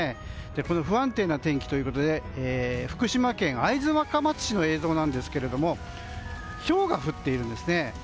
この不安定な天気ということで福島県会津若松市の映像なんですけどひょうが降っているんですね。